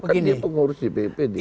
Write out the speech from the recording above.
kan dia pengurus dpp dia